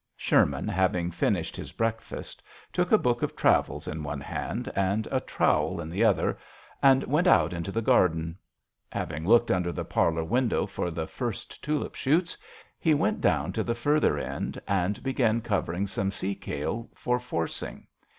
Sherman having finished his breakfast, took a book of travels in one hand and a trowel in the 22 JOHN SHERMAN. other and went out into the garden. Having looked under the parlour window for the first tulip shoots, he went down to the further end and began covering some sea kale for forcing.